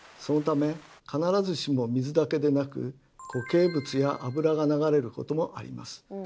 そのため必ずしも水だけでなく固形物や油が流れることもあります。